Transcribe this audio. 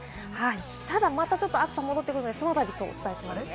ただ、またちょっと暑さが戻ってくるので、それもお伝えしますね。